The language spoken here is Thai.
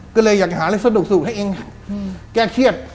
ก็เลยอยากหาเรื่องสนุกให้เองแก้เครียด